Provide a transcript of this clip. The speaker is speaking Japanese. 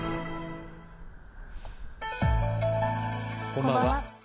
こんばんは。